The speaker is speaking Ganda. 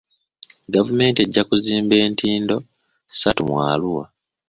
Gavumenti ejja kuzimba entindo ssatu mu Arua.